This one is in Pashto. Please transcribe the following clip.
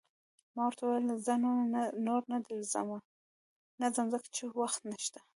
ما ورته وویل: زه نو، نور در نه ځم، ځکه چې وخت نشته.